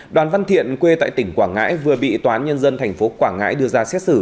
đoàn văn thiện quê tại tỉnh quảng ngãi vừa bị tòa án nhân dân tp quảng ngãi đưa ra xét xử